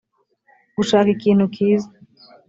gushaka ikintu kiza